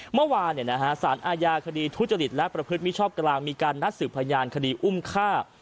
เมื่อวานเนี่ยนะฮะศาลอาญาคดีทุจริตและประพฤติมิชโภคกำลังมีการนัดสืบพญานคดีอุ้มฆ่า